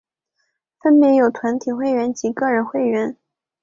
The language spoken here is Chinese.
分别有团体会员及个人会员。